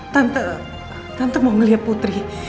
tante tante mau ngeliat putri